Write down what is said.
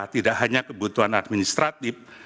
tidak hanya kebutuhan administratif